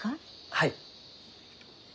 はい。